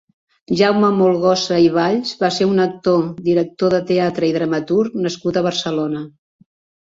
Jaume Molgosa i Valls va ser un actor, director de teatre i dramaturg nascut a Barcelona.